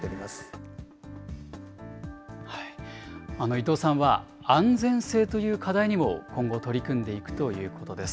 伊藤さんは安全性という課題にも、今後、取り組んでいくということです。